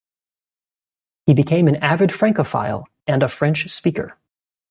He became an avid Francophile and a French speaker.